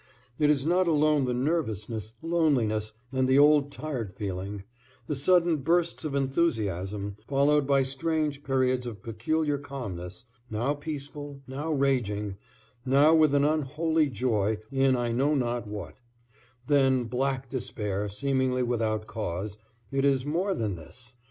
It is not alone the nervousness, loneliness, and the old tired feeling; the sudden bursts of enthusiasm, followed by strange periods of peculiar calmness, now peaceful, now raging, now with an unholy joy in I know not what; then black despair seemingly without cause, it is more than this.